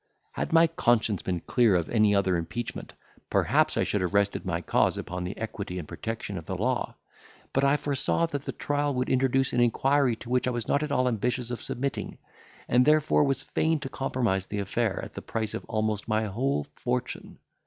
"Had my conscience been clear of any other impeachment, perhaps I should have rested my cause upon the equity and protection of the law; but I foresaw that the trial would introduce an inquiry, to which I was not at all ambitious of submitting, and therefore was fain to compromise the affair, at the price of almost my whole fortune.